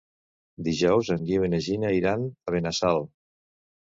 Dijous en Guiu i na Gina iran a Benassal.